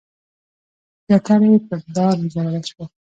زیاتره یې پر دار وځړول شول.